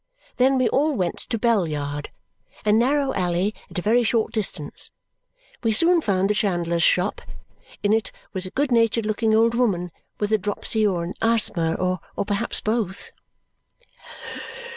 Then we all went to Bell Yard, a narrow alley at a very short distance. We soon found the chandler's shop. In it was a good natured looking old woman with a dropsy, or an asthma, or perhaps both.